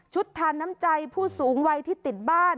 ทานน้ำใจผู้สูงวัยที่ติดบ้าน